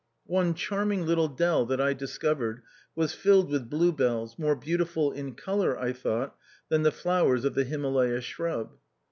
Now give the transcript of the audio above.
One charming little dell that I discovered, was filled with blue bells, more beautiful in col our, I thought, than the flowers of the Him alaya shrub.